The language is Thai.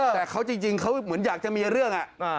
แต่เขาจริงเขาเหมือนอยากจะมีเรื่อง